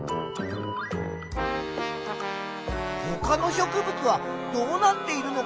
ほかの植物はどうなっているのかな？